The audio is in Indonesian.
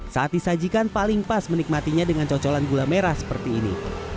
saat disajikan paling pas menikmatinya dengan cocolan gula merah seperti ini